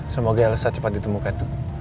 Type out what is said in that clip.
semoga elsa cepat ditemukan